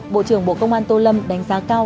bộ trưởng bộ công an tô lâm đánh giá cao